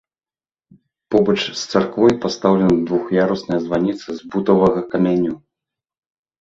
Побач з царквой пастаўлена двух'ярусная званіца з бутавага каменю.